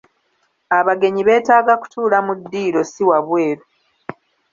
Abagenyi beetaaga kutuula mu ddiiro si wabweru.